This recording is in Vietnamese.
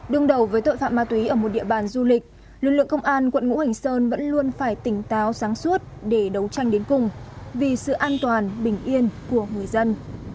đương đầu với tội phạm ma túy ở một địa bàn du lịch lực lượng công an quận ngũ hành sơn vẫn luôn phải tỉnh táo sáng suốt để đấu tranh đến cùng vì sự an toàn bình yên của người dân